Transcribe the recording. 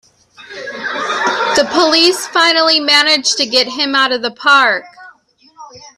The police finally manage to get him out of the park!